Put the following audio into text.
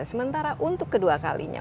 sementara untuk kedua kalinya